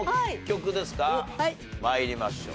参りましょう。